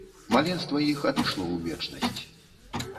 Маленства іх адышло ў вечнасць.